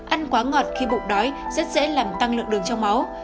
ăn quá ngọt khi bụng đói rất dễ làm tăng lượng đường trong máu